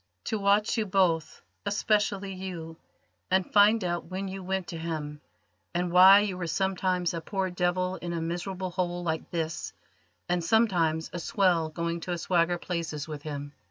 "To watch you both, especially you, and find out when you went to him, and why you were sometimes a poor devil in a miserable hole like this, and sometimes a swell going to swagger places with him."